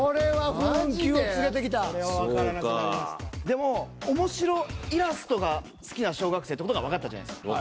でも面白イラストが好きな小学生って事がわかったじゃないですか。